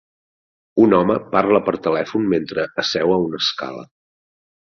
Un home parla per telèfon mentre asseu a una escala.